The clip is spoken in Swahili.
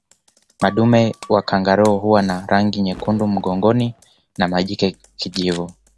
Madume wa kangaroo huwa na rangi nyekundu mgongoni na majike kijivu